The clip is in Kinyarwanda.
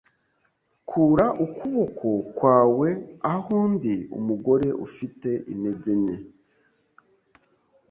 kura ukuboko kwawe aho Ndi umugore ufite intege nke